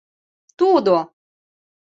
— Тудо!